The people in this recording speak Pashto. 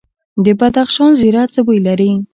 د بدخشان زیره څه بوی لري؟